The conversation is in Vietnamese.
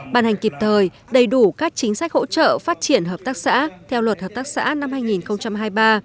bàn hành kịp thời đầy đủ các chính sách hỗ trợ phát triển hợp tác xã theo luật hợp tác xã năm hai nghìn hai mươi ba